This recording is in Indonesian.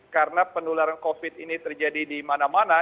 karena penularan covid ini terjadi di mana mana